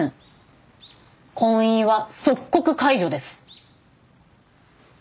婚姻は即刻解除です。